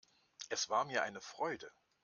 Es war mir eine Freude.